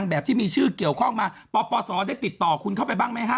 แบบที่มีชื่อเกี่ยวข้องมาปปศได้ติดต่อคุณเข้าไปบ้างไหมฮะ